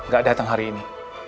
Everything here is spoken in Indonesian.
gak datang hari ini